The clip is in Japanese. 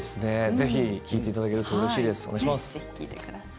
ぜひ聞いていただけるとうれしいです。